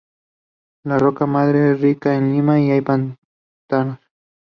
La roca madre es rica en lima y hay pantanos.